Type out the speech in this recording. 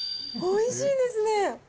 おいしいですね。